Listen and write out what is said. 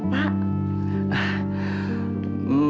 kalau tidak ditolong pak joko bisa gawat urusannya